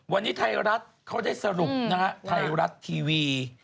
วันนี้ไทยรัฐเขาได้สรุปนะฮะไทยรัฐทีวี